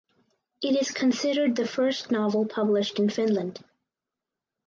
It is considered the first novel published in Finland.